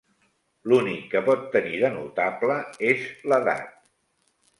L'únic que pot tenir de notable és l'edat.